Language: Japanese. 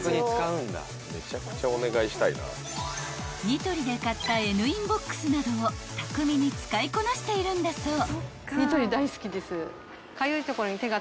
［ニトリで買ったＮインボックスなどを巧みに使いこなしているんだそう］